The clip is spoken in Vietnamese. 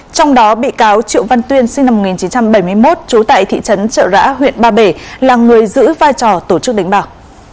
trong đó bị cáo triệu văn tuyên sinh năm một nghìn chín trăm bảy mươi một trú tại thị trấn trợ rã huyện ba bể là người giữ vai trò tổ chức đánh bạc